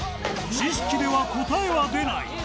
知識では答えは出ない！